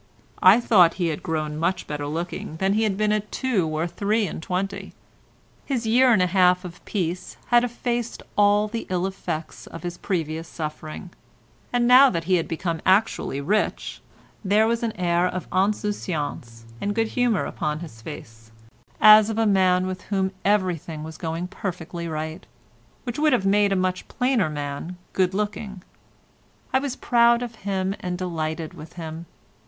I thought he had grown much better looking than he had been at two or three and twenty. His year and a half of peace had effaced all the ill effects of his previous suffering, and now that he had become actually rich there was an air of insouciance and good humour upon his face, as of a man with whom everything was going perfectly right, which would have made a much plainer man good looking. I was proud of him and delighted with him.